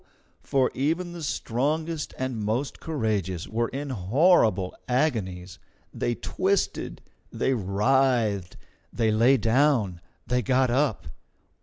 For even the strongest and most courageous were in horrible agonies. They twisted, they writhed, they lay down, they got up.